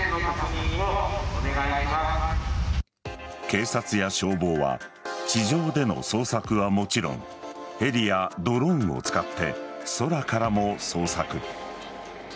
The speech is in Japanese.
警察や消防は地上での捜索はもちろんヘリやドローンを使って空からも捜索。